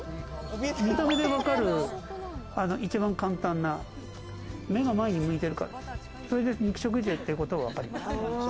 見た目でわかる一番簡単な、目が前に向いているから、それで肉食獣っていうことがわかります。